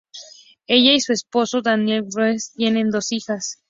Ella y su esposo Daniel Wheeler tienen dos hijas.